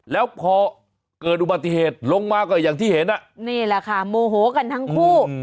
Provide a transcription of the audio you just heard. แล้วพอเกิดอุบัติเหตุลงมาก็อย่างที่เห็นอ่ะนี่แหละค่ะโมโหกันทั้งคู่